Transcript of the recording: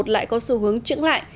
lại có xu hướng chững lại